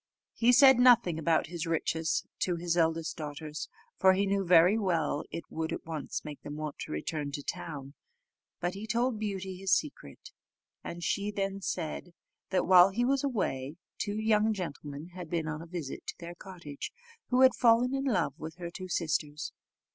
He said nothing about his riches to his eldest daughters, for he knew very well it would at once make them want to return to town; but he told Beauty his secret, and she then said, that while he was away, two gentlemen had been on a visit at their cottage, who had fallen in love with her two sisters.